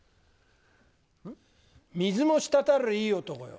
水も滴るいい男よ。